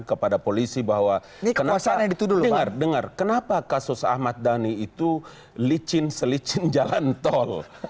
kepada polisi bahwa kenapa kasus ahmad dhani itu licin selicin jalan tol